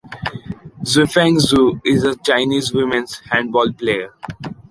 Juefeng Zhu is a Chinese women's handball player.